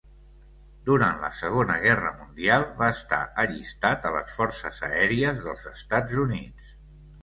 Durant la Segona Guerra Mundial va estar allistat a les forces aèries dels Estats Units.